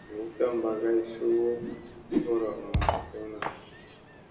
Ngutda Mba Kay Suu Pi Horokŋa Jewna.